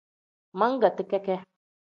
Meegeti keke.